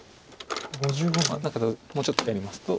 何かもうちょっとやりますと。